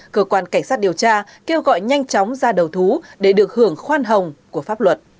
cơ quan cảnh sát điều tra kêu gọi nhanh chóng ra đầu thú để được hưởng khoan hồng của pháp luật